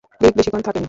রিক বেশীক্ষণ থাকেনি।